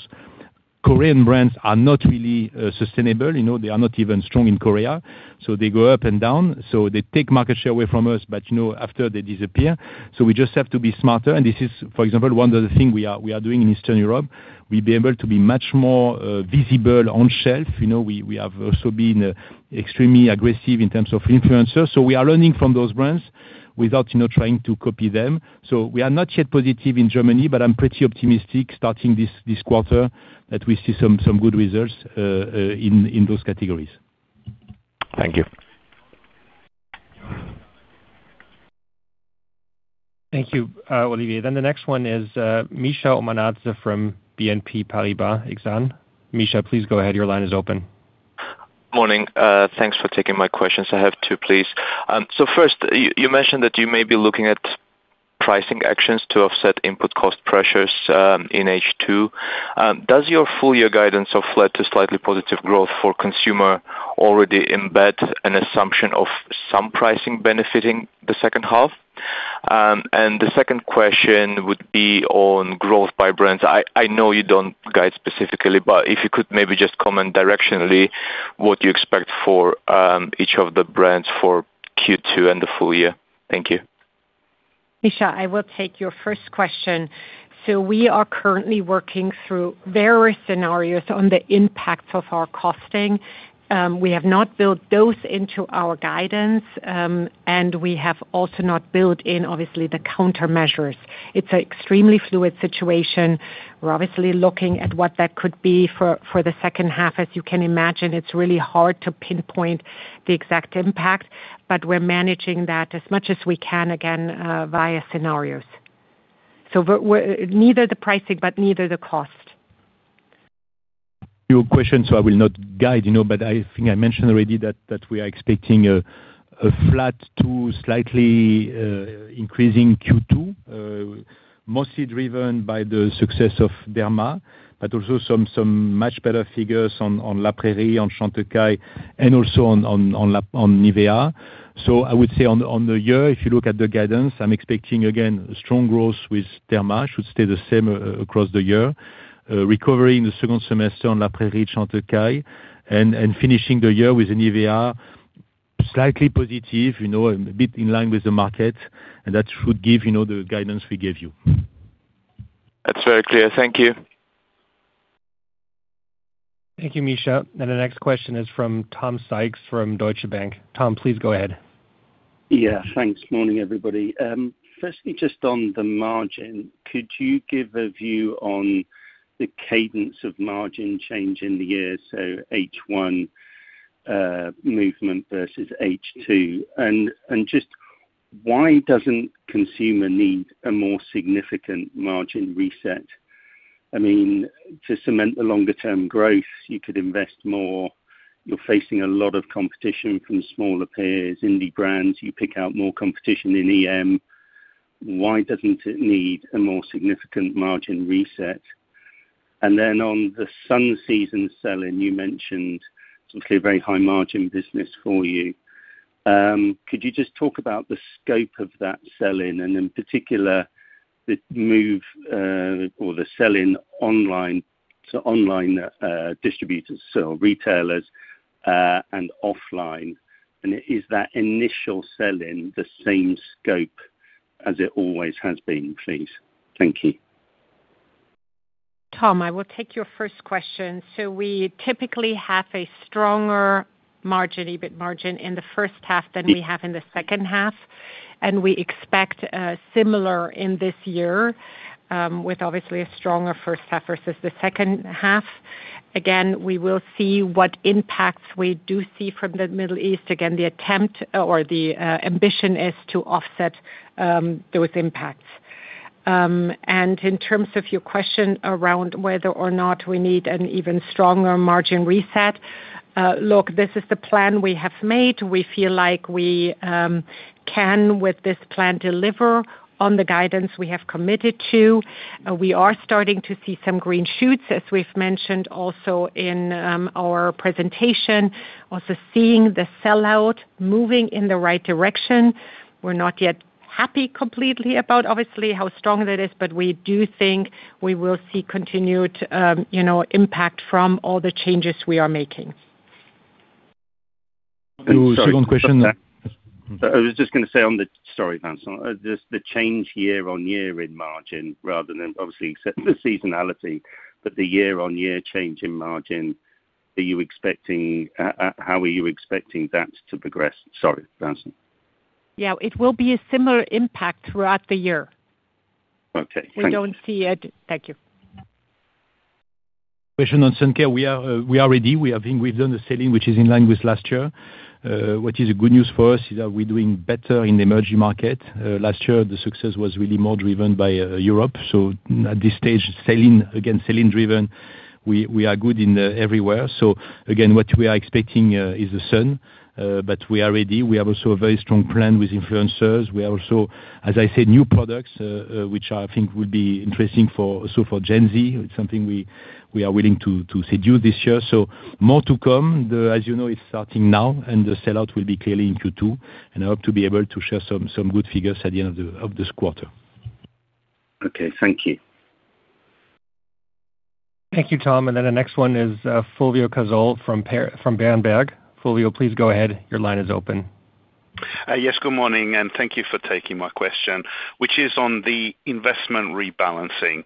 Korean brands are not really sustainable. They are not even strong in Korea, so they go up and down. They take market share away from us, but after, they disappear. We just have to be smarter, and this is, for example, one of the things we are doing in Eastern Europe. We'll be able to be much more visible on shelf. We have also been extremely aggressive in terms of influencers. We are learning from those brands without trying to copy them. We are not yet positive in Germany, but I'm pretty optimistic starting this quarter that we see some good results in those categories. Thank you. Thank you, Olivier. The next one is Mikheil Omanadze from BNP Paribas Exane. Mikheil, please go ahead. Your line is open. Morning. Thanks for taking my questions. I have two, please. First, you mentioned that you may be looking at pricing actions to offset input cost pressures in H2. Does your full year guidance of flat to slightly positive growth for consumer already embed an assumption of some pricing benefiting the second half? The second question would be on growth by brands. I know you don't guide specifically, but if you could maybe just comment directionally what you expect for each of the brands for Q2 and the full year. Thank you. Mikheil, I will take your first question. We are currently working through various scenarios on the impacts of our costing. We have not built those into our guidance, and we have also not built in, obviously, the countermeasures. It's an extremely fluid situation. We're obviously looking at what that could be for the second half. As you can imagine, it's really hard to pinpoint the exact impact, but we're managing that as much as we can, again, via scenarios. Neither the pricing but neither the cost. Your question, so I will not guide, but I think I mentioned already that we are expecting a flat to slightly increasing Q2. Mostly driven by the success of Derma, but also some much better figures on La Prairie, on Chantecaille, and also on Nivea. I would say on the year, if you look at the guidance, I'm expecting, again, strong growth with Derma. Should stay the same across the year. Recovery in the second semester on La Prairie, Chantecaille, and finishing the year with Nivea, slightly positive, a bit in line with the market, and that should give the guidance we gave you. That's very clear. Thank you. Thank you, Mikheil. The next question is from Tom Sykes from Deutsche Bank. Tom, please go ahead. Yeah, thanks. Morning, everybody. Firstly, just on the margin, could you give a view on the cadence of margin change in the year, so H1 movement versus H2? Just why doesn't consumer need a more significant margin reset? I mean, to cement the longer term growth, you could invest more. You're facing a lot of competition from smaller peers, indie brands. You point out more competition in EM. Why doesn't it need a more significant margin reset? Then on the Sun season sell-in, you mentioned it's obviously a very high margin business for you. Could you just talk about the scope of that sell-in, and in particular, the move or the sell-in to online distributors. So retailers and offline. Is that initial sell-in the same scope as it always has been, please? Thank you. Tom, I will take your first question. We typically have a stronger margin, EBIT margin in the first half than we have in the second half, and we expect similar in this year, with obviously a stronger first half versus the second half. Again, we will see what impacts we do see from the Middle East. Again, the attempt or the ambition is to offset those impacts. In terms of your question around whether or not we need an even stronger margin reset, look, this is the plan we have made. We feel like we can with this plan, deliver on the guidance we have committed to. We are starting to see some green shoots, as we've mentioned also in our presentation, also seeing the sell-out moving in the right direction. We're not yet happy completely about obviously how strong that is, but we do think we will see continued impact from all the changes we are making. The second question? I was just going to say, sorry, Vincent. Just the change year-on-year in margin rather than obviously the seasonality, but the year-on-year change in margin, how are you expecting that to progress? Sorry, Vincent. Yeah. It will be a similar impact throughout the year. Okay. Thank you. We don't see it. Thank you. Question on Sun Care. We are ready. I think we've done the sell-in, which is in line with last year. What is good news for us is that we're doing better in the emerging market. Last year, the success was really more driven by Europe. At this stage, again, sell-in driven, we are good everywhere. Again, what we are expecting is the sun. We are ready. We have also a very strong plan with influencers. We are also, as I said, new products, which I think will be interesting also for Gen Z. It's something we are willing to seduce this year. More to come. As you know, it's starting now, and the sell-out will be clearly in Q2, and I hope to be able to share some good figures at the end of this quarter. Okay, thank you. Thank you, Tom. The next one is Fulvio Cazzol from Berenberg. Fulvio, please go ahead. Your line is open. Yes, good morning, and thank you for taking my question, which is on the investment rebalancing.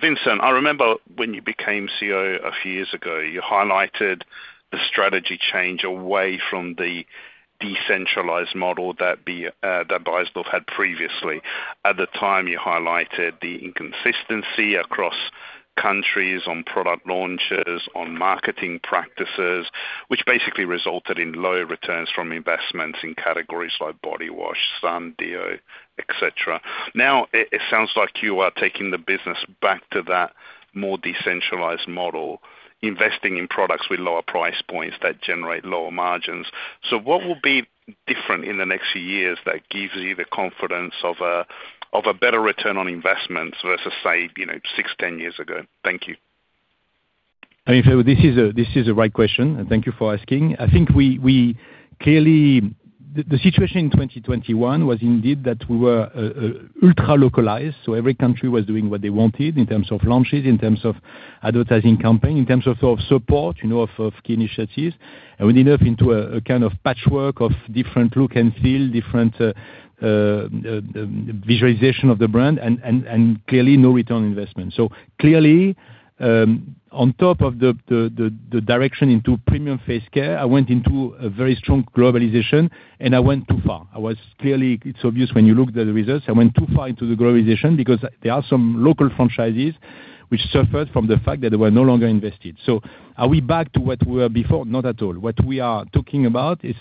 Vincent, I remember when you became CEO a few years ago, you highlighted the strategy change away from the decentralized model that Beiersdorf had previously. At the time, you highlighted the inconsistency across countries on product launches, on marketing practices, which basically resulted in lower returns from investments in categories like body wash, sun, deo, et cetera. Now, it sounds like you are taking the business back to that more decentralized model, investing in products with lower price points that generate lower margins. What will be different in the next few years that gives you the confidence of a better return on investment than, let's just say, six, 10 years ago? Thank you. This is the right question, and thank you for asking. I think the situation in 2021 was indeed that we were ultra-localized. Every country was doing what they wanted in terms of launches, in terms of advertising campaign, in terms of support, of key initiatives. We ended up into a kind of patchwork of different look and feel, different visualization of the brand, and clearly no return on investment. Clearly, on top of the direction into premium face care, I went into a very strong globalization, and I went too far. It's obvious when you look at the results. I went too far into the globalization because there are some local franchises which suffered from the fact that they were no longer invested. Are we back to what we were before? Not at all. What we are talking about is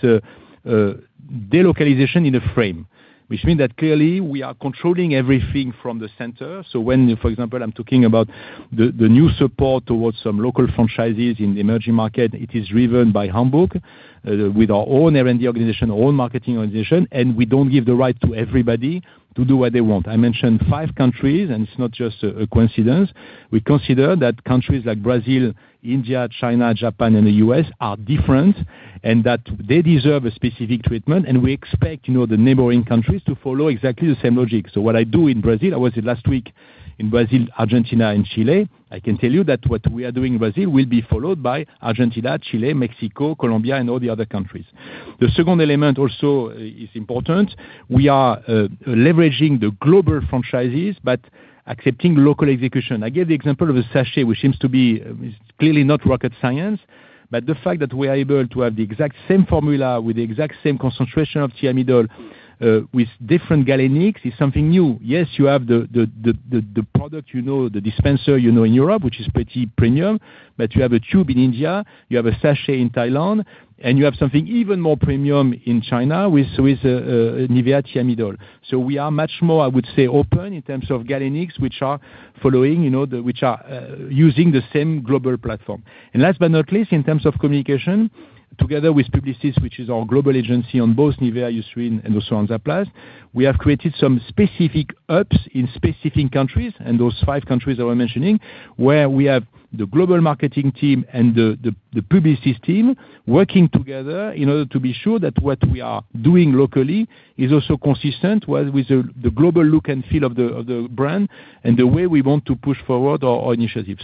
de-localization in a framework, which means that clearly we are controlling everything from the center. When, for example, I'm talking about the new support towards some local franchises in the emerging market, it is driven by headquarters with our own R&D organization, our own marketing organization, and we don't give the right to everybody to do what they want. I mentioned five countries, and it's not just a coincidence. We consider that countries like Brazil, India, China, Japan, and the U.S. are different and that they deserve a specific treatment. We expect the neighboring countries to follow exactly the same logic. What I do in Brazil, I was last week in Brazil, Argentina and Chile. I can tell you that what we are doing in Brazil will be followed by Argentina, Chile, Mexico, Colombia and all the other countries. The second element also is important. We are leveraging the global franchises but accepting local execution. I gave the example of a sachet, which seems to be clearly not rocket science, but the fact that we are able to have the exact same formula with the exact same concentration of Niacinamide with different galenics is something new. Yes, you have the product, the dispenser you know in Europe, which is pretty premium. But you have a tube in India, you have a sachet in Thailand, and you have something even more premium in China with Nivea Niacinamide. We are much more, I would say, open in terms of galenics, which are using the same global platform. Last but not least, in terms of communication together with Publicis, which is our global agency on both Nivea, Eucerin, and also on Hansaplast, we have created some specific hubs in specific countries, and those five countries that we're mentioning, where we have the global marketing team and the Publicis team working together in order to be sure that what we are doing locally is also consistent with the global look and feel of the brand and the way we want to push forward our initiative.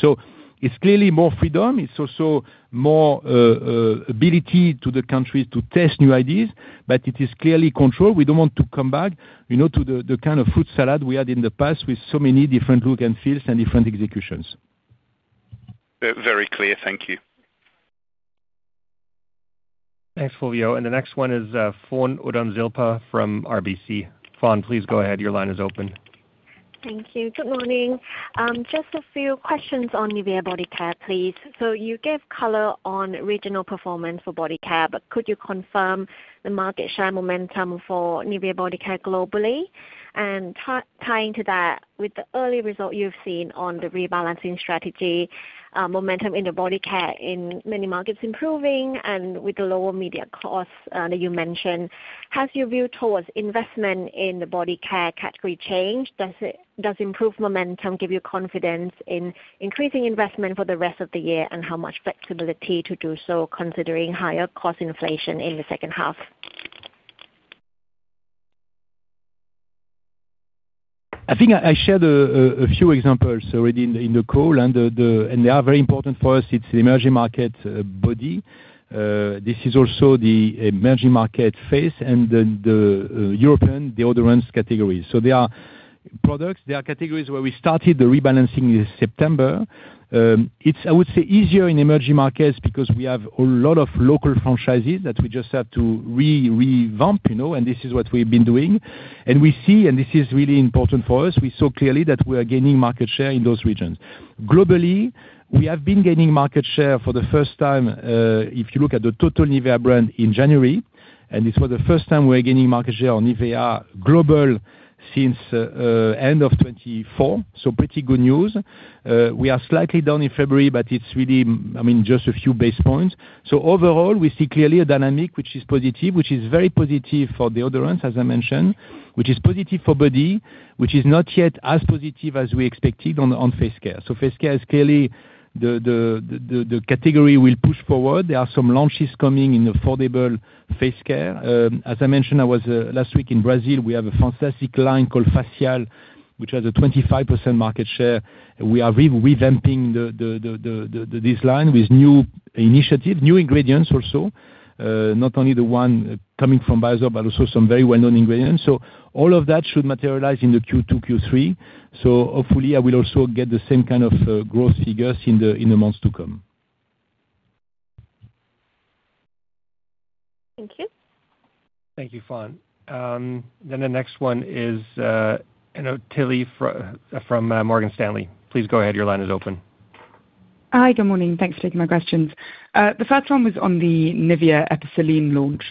It's clearly more freedom. It's also more ability to the countries to test new ideas, but it is clearly controlled. We don't want to come back to the kind of fruit salad we had in the past with so many different look and feels and different executions. Very clear. Thank you. Thanks, Fulvio. The next one is Fon Udomsilpa from RBC. Fon, please go ahead. Your line is open. Thank you. Good morning. Just a few questions on Nivea body care, please. You gave color on regional performance for body care, but could you confirm the market share momentum for Nivea body care globally? Tying to that, with the early result you've seen on the rebalancing strategy, momentum in the body care in many markets improving and with the lower media costs that you mentioned, has your view towards investment in the body care category changed? Does improved momentum give you confidence in increasing investment for the rest of the year, and how much flexibility to do so considering higher cost inflation in the second half? I think I shared a few examples already in the call, and they are very important for us. It's the emerging markets body. This is also the emerging markets face and the European deodorants category. They are products. They are categories where we started the rebalancing this September. It's, I would say, easier in emerging markets because we have a lot of local franchises that we just have to revamp, and this is what we've been doing. We see, and this is really important for us, we saw clearly that we are gaining market share in those regions. Globally, we have been gaining market share for the first time, if you look at the total Nivea brand in January, and this was the first time we're gaining market share on Nivea global since end of 2024. Pretty good news. We are slightly down in February, but it's really just a few basis points. Overall, we see clearly a dynamic which is positive, which is very positive for deodorants, as I mentioned, which is positive for body, which is not yet as positive as we expected on face care. Face care is clearly the category we'll push forward. There are some launches coming in affordable face care. As I mentioned, I was last week in Brazil. We have a fantastic line called Facial, which has a 25% market share. We are revamping this line with new initiative, new ingredients also, not only the one coming from Beiersdorf, but also some very well-known ingredients. All of that should materialize in the Q2, Q3. Hopefully I will also get the same kind of growth figures in the months to come. Thank you. Thank you, Fon. The next one is Tilly Eno from Morgan Stanley. Please go ahead. Your line is open. Hi. Good morning. Thanks for taking my questions. The first one was on the Nivea Epicelline launch.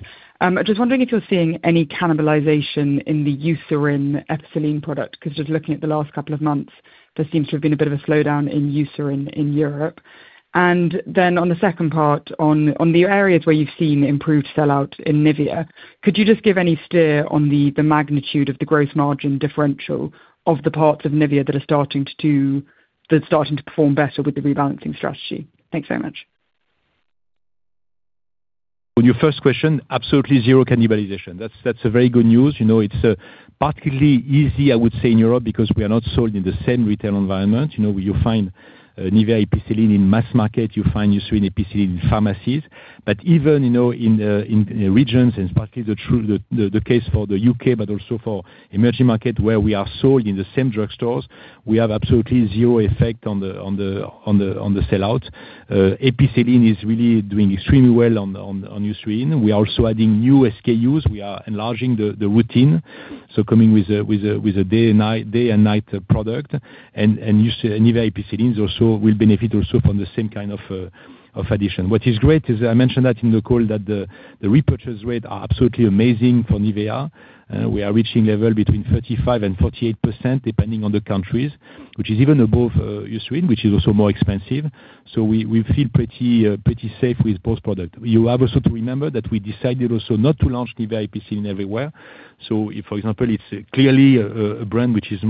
Just wondering if you're seeing any cannibalization in the Eucerin Epicelline product, because just looking at the last couple of months, there seems to have been a bit of a slowdown in Eucerin in Europe. On the second part, on the areas where you've seen improved sellout in Nivea, could you just give any steer on the magnitude of the growth margin differential of the parts of Nivea that are starting to perform better with the rebalancing strategy? Thanks so much. On your first question, absolutely zero cannibalization. That's a very good news. It's particularly easy, I would say, in Europe because we are not sold in the same retail environment. You find Nivea Epicelline in mass market, you find Eucerin Epicelline in pharmacies. Even in regions, and it's particularly the case for the U.K. but also for emerging market where we are sold in the same drugstores, we have absolutely zero effect on the sellout. Epicelline is really doing extremely well on Eucerin. We are also adding new SKUs. We are enlarging the routine, so coming with a day and night product. Nivea Epicelline also will benefit from the same kind of addition. What is great is I mentioned that in the call that the repurchase rate are absolutely amazing for Nivea. We are reaching levels between 35%-48%, depending on the countries, which is even above Eucerin, which is also more expensive. We feel pretty safe with both product. You have also to remember that we decided also not to launch Nivea Epicelline everywhere. If, for example, it's clearly a brand which is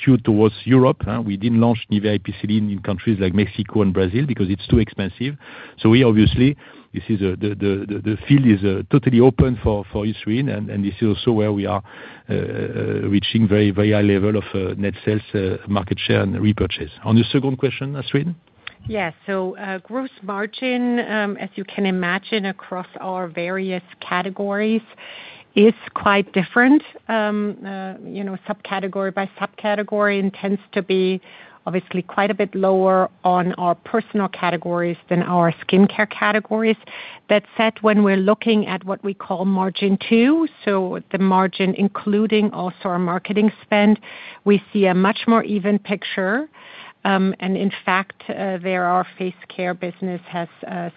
skewed towards Europe. We didn't launch Nivea Epicelline in countries like Mexico and Brazil because it's too expensive. We obviously, the field is totally open for Eucerin, and this is also where we are reaching very high levels of net sales, market share, and repurchase. On your second question, Astrid? Yeah. Gross margin, as you can imagine, across our various categories is quite different. Subcategory by subcategory, and tends to be obviously quite a bit lower on our personal categories than our skincare categories. That said, when we're looking at what we call margin two, so the margin including also our marketing spend, we see a much more even picture. In fact, there our face care business has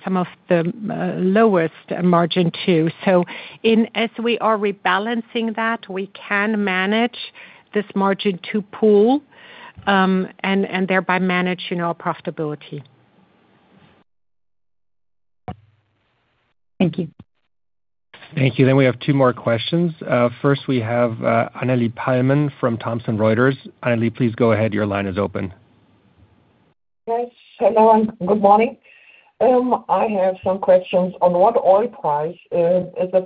some of the lowest margin too. As we are rebalancing that, we can manage this margin two pool, and thereby managing our profitability. Thank you. Thank you. We have two more questions. First we have Anneli Palmen from Thomson Reuters. Anneli, please go ahead. Your line is open. Yes. Hello and good morning. I have some questions on what oil price is the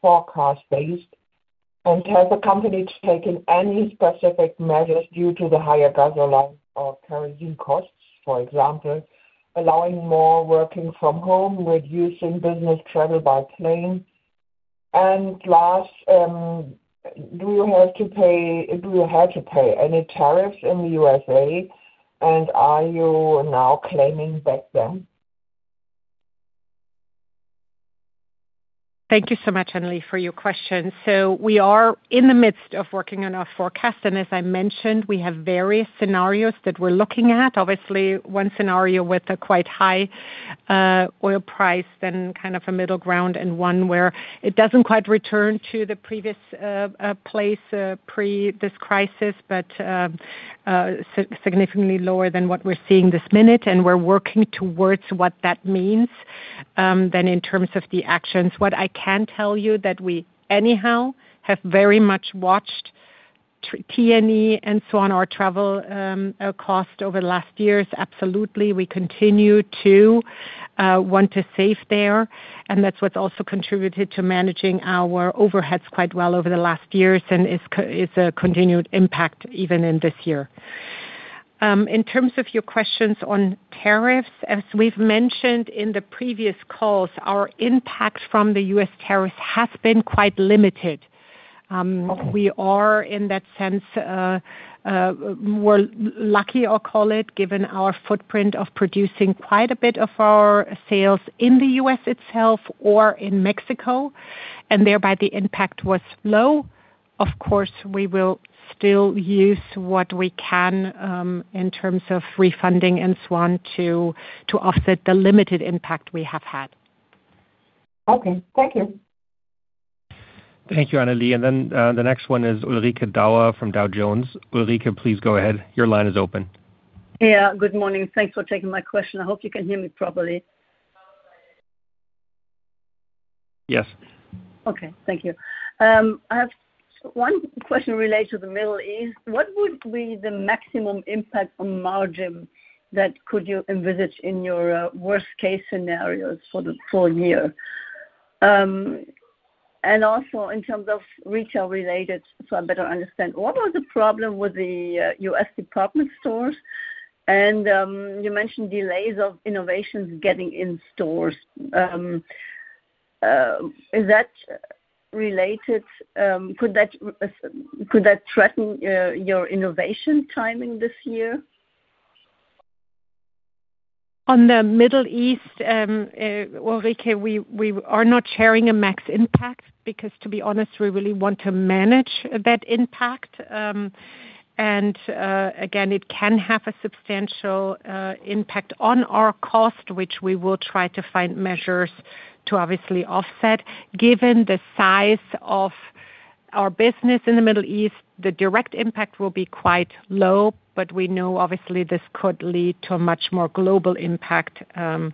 forecast based, and has the company taken any specific measures due to the higher gasoline or kerosene costs? For example, allowing more working from home, reducing business travel by plane. Last, do you have to pay any tariffs in the U.S.A., and are you now claiming back then? Thank you so much, Anneli, for your question. We are in the midst of working on our forecast, and as I mentioned, we have various scenarios that we're looking at. Obviously, one scenario with a quite high oil price, then kind of a middle ground, and one where it doesn't quite return to the previous place, pre this crisis, but significantly lower than what we're seeing this minute, and we're working towards what that means. In terms of the actions, what I can tell you that we anyhow have very much watched T&E and so on, our travel cost over the last years. Absolutely, we continue to want to save there, and that's what's also contributed to managing our overheads quite well over the last years, and it's a continued impact even in this year. In terms of your questions on tariffs, as we've mentioned in the previous calls, our impact from the U.S. tariffs has been quite limited. We are, in that sense, lucky, I'll call it, given our footprint of producing quite a bit of our sales in the U.S. itself or in Mexico, and thereby the impact was low. Of course, we will still use what we can in terms of refunding and so on to offset the limited impact we have had. Okay. Thank you. Thank you, Anneli. The next one is Ulrike Dauer from Dow Jones. Ulrike, please go ahead. Your line is open. Yeah, good morning. Thanks for taking my question. I hope you can hear me properly. Yes. Okay. Thank you. I have one question related to the Middle East. What would be the maximum impact on margin that could you envisage in your worst case scenarios for the full year? Also, in terms of retail-related, so I better understand, what was the problem with the U.S. department stores? You mentioned delays of innovations getting in stores. Is that related? Could that threaten your innovation timing this year? On the Middle East, Ulrike, we are not sharing a max impact because to be honest, we really want to manage that impact. Again, it can have a substantial impact on our cost, which we will try to find measures to obviously offset. Given the size of our business in the Middle East, the direct impact will be quite low, but we know obviously this could lead to a much more global impact, and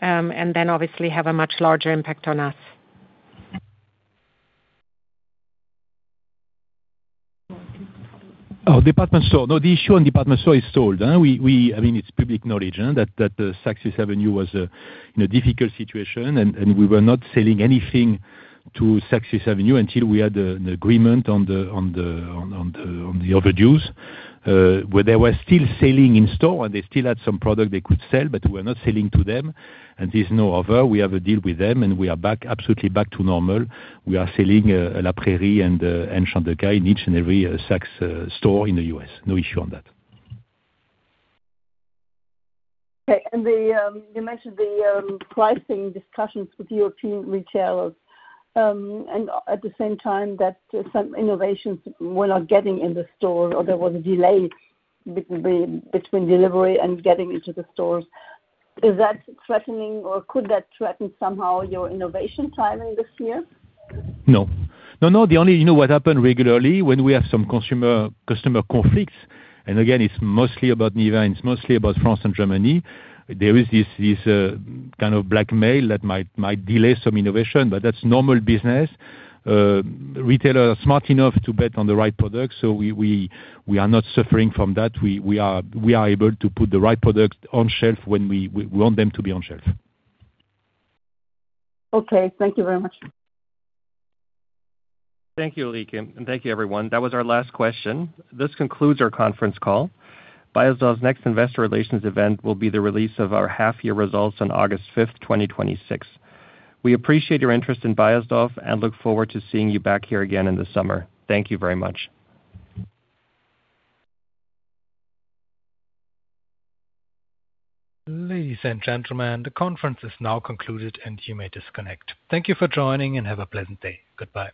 then obviously have a much larger impact on us. Department store. No, the issue on the department store is solved. It's public knowledge that Saks Fifth Avenue was in a difficult situation and we were not selling anything to Saks Fifth Avenue until we had an agreement on the overdues. They were still selling in store and they still had some product they could sell, but we're not selling to them, and there's no order. We have a deal with them and we are absolutely back to normal. We are selling La Prairie and Chantecaille in each and every Saks store in the U.S. No issue on that. Okay. You mentioned the pricing discussions with European retailers, and at the same time that some innovations were not getting in the store or there was a delay between delivery and getting into the stores. Is that threatening or could that threaten somehow your innovation timing this year? No. You know what happened regularly when we have some customer conflicts, and again, it's mostly about Nivea, it's mostly about France and Germany. There is this kind of blackmail that might delay some innovation, but that's normal business. Retailers are smart enough to bet on the right product, so we are not suffering from that. We are able to put the right product on shelf when we want them to be on shelf. Okay. Thank you very much. Thank you, Ulrike, and thank you, everyone. That was our last question. This concludes our conference call. Beiersdorf's next investor relations event will be the release of our half year results on August 5th, 2026. We appreciate your interest in Beiersdorf and look forward to seeing you back here again in the summer. Thank you very much. Ladies and gentlemen, the conference is now concluded and you may disconnect. Thank you for joining and have a pleasant day. Goodbye.